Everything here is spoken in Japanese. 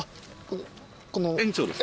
園長です。